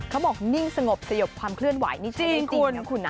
เขาบอกนิ่งสงบสยบความเคลื่อนไหวนี่ใช่ได้จริงหรือเปล่า